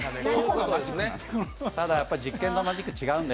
ただやっぱ実験とマジック違うんで。